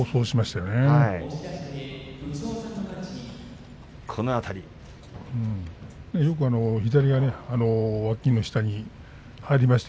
よく左がわきの下に入りました。